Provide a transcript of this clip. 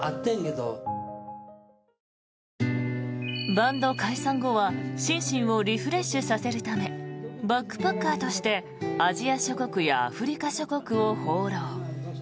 バンド解散後は心身をリフレッシュさせるためバックパッカーとしてアジア諸国やアフリカ諸国を放浪。